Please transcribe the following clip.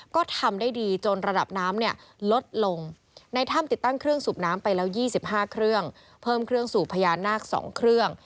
ก็ทำได้ดีจนระดับน้ำเนี่ยลดลงในถ้ำติดตั้งเครื่องสูบน้ำไปแล้ว๒๕เครื่องเพิ่มเครื่องสูบพญานาค๒เครื่อง